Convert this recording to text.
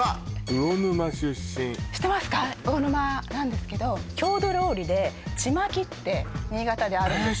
魚沼なんですけど郷土料理でちまきって新潟であるんですよ